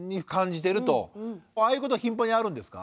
ああいうことは頻繁にあるんですか？